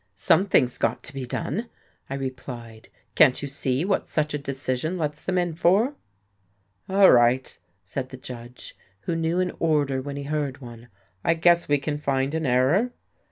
"Something's got to be done," I replied. "Can't you see what such a decision lets them in for?" "All right," said the judge, who knew an order when he heard one, "I guess we can find an error."